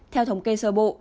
theo thống kê sơ bộ